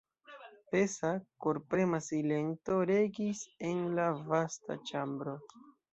Pesa, korprema silento regis en la vasta ĉambro.